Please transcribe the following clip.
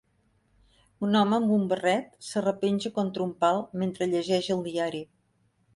Un home amb un barret s'arrepenja contra un pal mentre llegeix el diari.